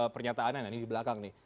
pernyataannya nah ini di belakang nih